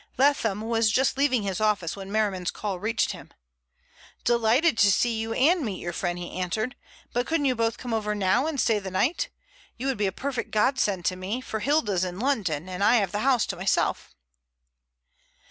Leatham was just leaving his office when Merriman's call reached him. "Delighted to see you and meet your friend," he answered. "But couldn't you both come over now and stay the night? You would be a perfect godsend to me, for Hilda's in London and I have the house to myself."